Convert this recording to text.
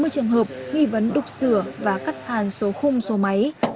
bốn mươi trường hợp nghi vấn đục sửa và cắt hàn số khung số máy